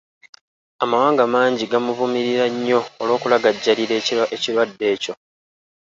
Amawanga mangi gamuvumirira nnyo olw'okulagajjalira ekirwadde ekyo.